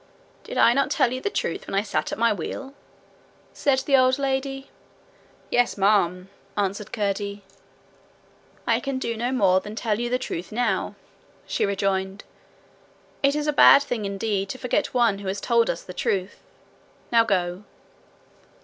'Did I not tell you the truth when I sat at my wheel?' said the old lady. 'Yes, ma'am,' answered Curdie. 'I can do no more than tell you the truth now,' she rejoined. 'It is a bad thing indeed to forget one who has told us the truth. Now go.'